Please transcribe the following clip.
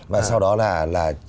và sau đó là